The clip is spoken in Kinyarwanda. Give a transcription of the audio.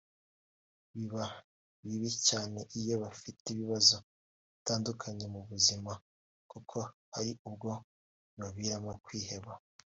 biba bibi cyane iyo bafite ibibazo bitandukanye mu buzima kuko hari ubwo bibaviramo kwiheba